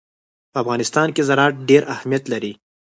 په افغانستان کې زراعت ډېر اهمیت لري.